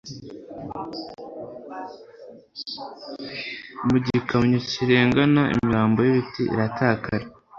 Mu gikamyo kirengana imirambo yibiti irataka